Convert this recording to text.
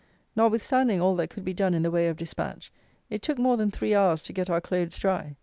Notwithstanding all that could be done in the way of dispatch, it took more than three hours to get our clothes dry.